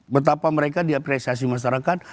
betapa mereka diapresiasi masyarakat